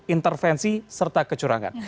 intervensi serta kecurangan